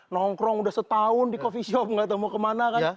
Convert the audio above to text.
nongkrong udah setahun di coffee shop gak tau mau kemana kan